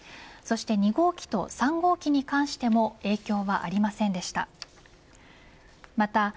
そして２号機と３号機に関しても影響はありませんでした。